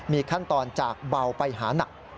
มีขั้นตอนจากเบาไปหานัก